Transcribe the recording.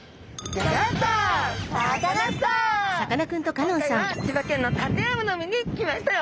今回は千葉県の館山の海に来ましたよ。